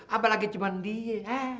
apalagi cuman dia